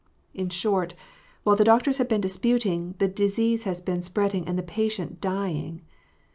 In short, while the doctors have been disputing, the disease has been spreading and the patient dying.